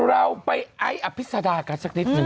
เราไปไอ้อภิษฎากันสักนิดหนึ่ง